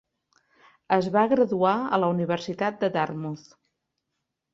Es va graduar a la universitat de Dartmouth.